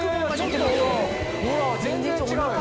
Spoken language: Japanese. ほら全然違うよ。